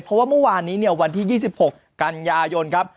เพราะว่าเมื่อวานนี้เนี่ยวันที่๒๖กันยายนครับ